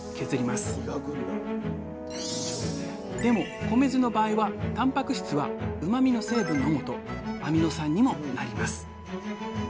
でも米酢の場合はたんぱく質はうまみの成分のもとアミノ酸にもなります。